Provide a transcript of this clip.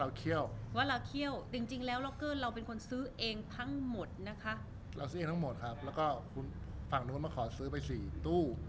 แล้วก็ฝั่งนู้นมาขอซื้อไป๔ตู้